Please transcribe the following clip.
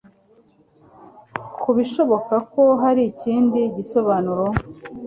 ku bishoboka ko hari ikindi gisobanuro